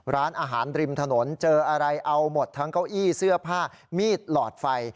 ร้านอาหารริมถนนเจออะไรเอาหมดทั้งเก้าอี้เสื้อผ้ามีดหลอดไฟ